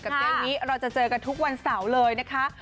เกมนี้เราจะเจอกันทุกวันเสาร์เลยนะคะ